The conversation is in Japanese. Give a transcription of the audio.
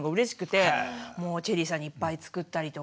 もうチェリーさんにいっぱい作ったりとか。